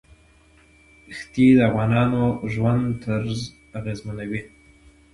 ښتې د افغانانو د ژوند طرز اغېزمنوي.